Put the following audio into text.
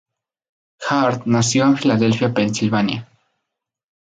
Hart nació en Filadelfia, Pensilvania.